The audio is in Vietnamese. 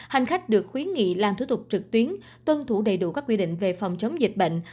hành khách được khuyến nghị làm thủ tục trực tuyến tuân thủ đầy đủ các quy định về phòng chống dịch bệnh